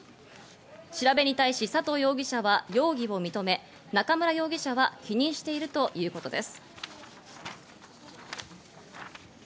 調べに対し佐藤容疑者は容疑を認め、中村容疑者は否認してお天気です。